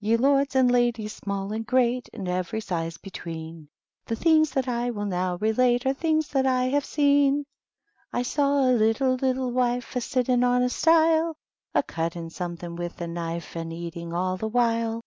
Ye lords and ladieSj small and great, And every size between. The things that I will now relate Are things that I have seen. I saw a little, little wife A'sitting on a stile, A'Cutting something with a knife And eating all the while.